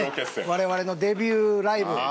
我々のデビューライブ。